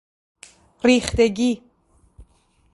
ریختگی